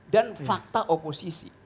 dan fakta oposisi